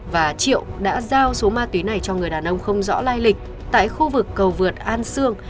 và triệu đã giao số ma túy này cho người đàn ông không rõ lai lịch tại khu vực cầu vượt an sương